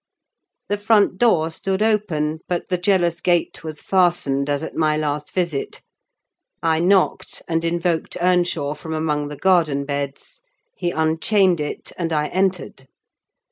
The front door stood open, but the jealous gate was fastened, as at my last visit; I knocked and invoked Earnshaw from among the garden beds; he unchained it, and I entered.